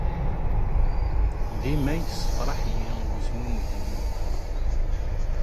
Dima yessefṛaḥ-iyi wezmumeg-nnem.